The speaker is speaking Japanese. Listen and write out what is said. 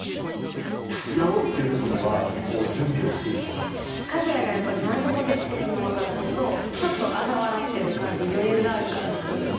やろうっていうときには、かぐやがやっぱり、なんでもできてしまうからこそ、ちょっとあざ笑ってる感じ、余裕がある感じというか。